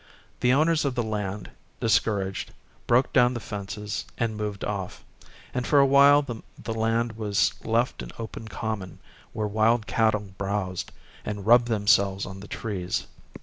The owners of the land, discouraged, broke down the fences, and moved off; and for a while the land was left an open common, where wild cattle browsed, and rubbed themselves on the trees.